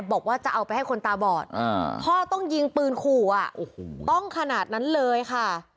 บอกว่าจะเอาไปให้คนตาบอดพ่อต้องยิงปืนขู่ต้องขนาดนั้นเลยค่ะ